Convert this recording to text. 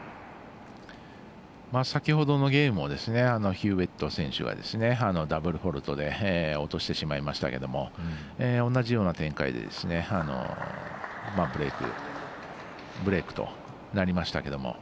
先ほどのゲームもヒューウェット選手はダブルフォールトで落としてしまいましたけれども同じような展開でブレークとなりましたけども。